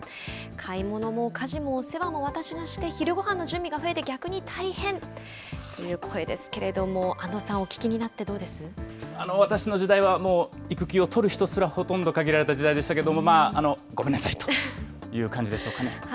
買い物も家事もお世話も私がして、昼ごはんの準備が増えて、逆に大変という声ですけれども、安藤さ私の時代は、もう育休を取る人すらほとんど限られた時代でしたけれども、まあ、あの、ごめんなさいという感じでしょうかね。